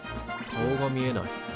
顔が見えない。